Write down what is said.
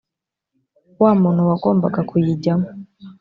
wa muntu wagombaga kuyijyamo